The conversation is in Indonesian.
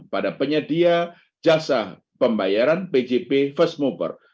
pada penyedia jasa pembayaran pjp first mover